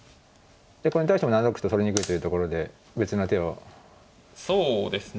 でこれに対しても７六歩と取りにくいというところで別な手を考える感じですか？